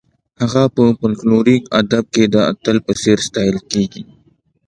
هغه په فولکلوریک ادب کې د اتل په څېر ستایل کیږي.